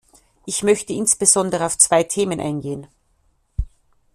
Ich möchte insbesondere auf zwei Themen eingehen.